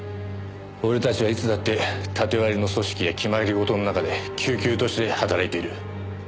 俺たちはいつだって縦割りの組織や決まりごとの中で汲々として働いている。